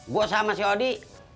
gue sama si odi